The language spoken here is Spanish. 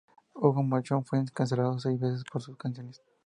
Hugo Monzón fue encarcelado seis veces por sus canciones.